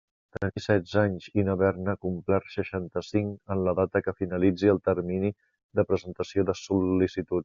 Tenir setze anys i no haver-ne complert seixanta-cinc en la data que finalitzi el termini de presentació de sol·licituds.